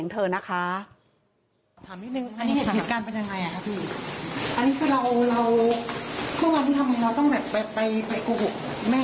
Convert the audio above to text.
อยากจะขอโทษแม่ไหม